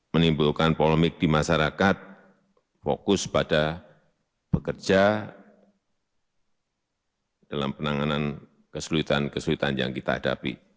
menimbulkan polemik di masyarakat fokus pada bekerja dalam penanganan kesulitan kesulitan yang kita hadapi